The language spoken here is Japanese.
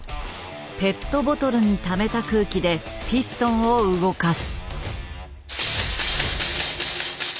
ペットボトルにためた空気でピストンを動かす。